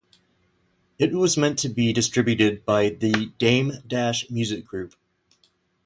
It was meant to be distributed by the Dame Dash Music Group.